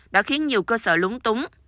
đã khiến nhiều cơ sở lúng túng